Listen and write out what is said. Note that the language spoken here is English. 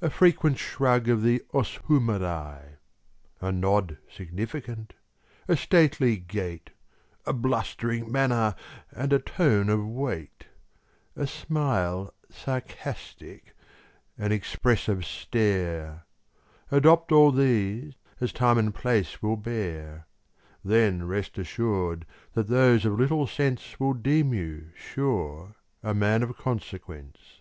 A frequent shrug of the os humeri; A nod significant, a stately gait, A blustering manner, and a tone of weight, A smile sarcastic, an expressive stare: Adopt all these, as time and place will bear; Then rest assur'd that those of little sense Will deem you sure a man of consequence.